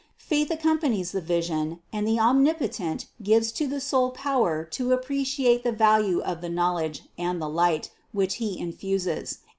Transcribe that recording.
Faith accompanies the vision and the Omnip otent gives to the soul power to appreciate the value of the knowledge and the light, which He infuses.